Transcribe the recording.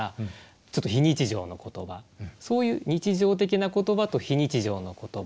そういう日常的な言葉と非日常の言葉を組み合わせる。